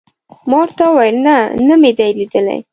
ما ورته وویل: نه، نه مې دي لیدلي.